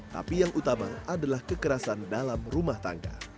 tapi yang utama adalah kekerasan dalam rumah tangga